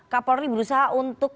kapolri berusaha untuk